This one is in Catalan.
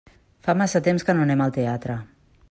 Fa massa temps que no anem al teatre.